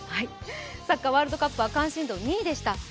サッカーワールドカップは関心度２位でした。